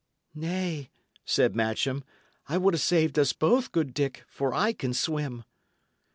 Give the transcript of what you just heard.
"Nay," said Matcham, "I would 'a' saved us both, good Dick, for I can swim."